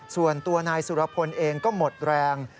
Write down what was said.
ส่วนตัวนายสุรพลเองก็หมดแรง